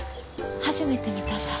初めて見たさ。